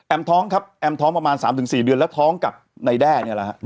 ท้องครับแอมท้องประมาณ๓๔เดือนแล้วท้องกับนายแด้เนี่ยแหละฮะ